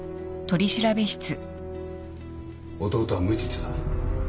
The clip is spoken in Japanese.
弟は無実だ。